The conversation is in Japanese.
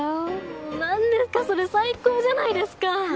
もう何ですかそれ最高じゃないですか。